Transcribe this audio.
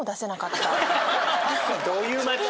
どういう町？